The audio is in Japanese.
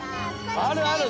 あるある！